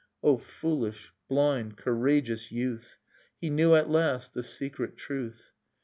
O foolish, blind, courageous youth! He knew at last the secret truth.